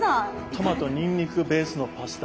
トマト・にんにくベースのパスタ。